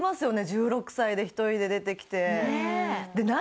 １６歳で１人で出てきてで何？